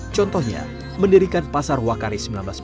contohnya mendirikan pasar wakari seribu sembilan ratus sembilan puluh